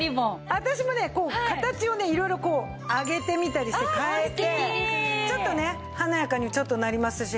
私もね形を色々こう上げてみたりして変えてちょっとね華やかにちょっとなりますし。